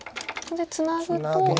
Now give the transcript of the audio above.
ここでツナぐと。